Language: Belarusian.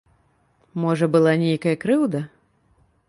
Можа, была нейкая крыўда?